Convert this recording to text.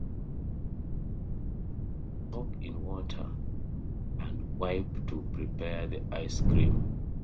Soak in water and whip to prepare the ice cream.